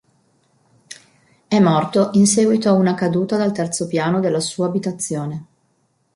È morto in seguito a una caduta dal terzo piano della sua abitazione.